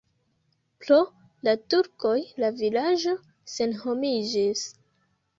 Pro la turkoj la vilaĝo senhomiĝis.